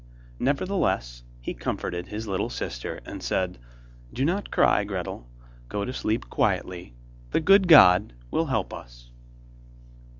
Nevertheless he comforted his little sister, and said: 'Do not cry, Gretel, go to sleep quietly, the good God will help us.